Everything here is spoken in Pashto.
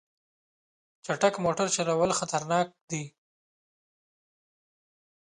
چټک موټر چلول خطرناک دي.